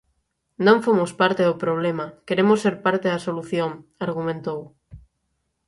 Non fomos parte do problema, queremos ser parte da solución, argumentou.